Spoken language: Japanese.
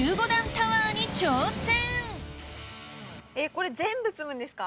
これ全部積むんですか？